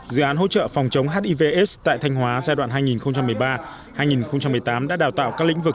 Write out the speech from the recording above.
dự án hỗ trợ phòng chống hiv aids tại thanh hóa giai đoạn hai nghìn một mươi ba hai nghìn một mươi tám đã đào tạo các lĩnh vực